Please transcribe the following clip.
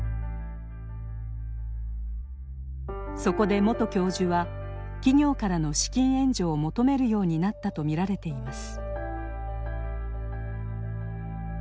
そこで元教授は企業からの資金援助を求めるようになったと見られています。